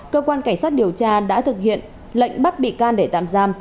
cơ quan cảnh sát điều tra đã thực hiện lệnh bắt bị can để tạm giam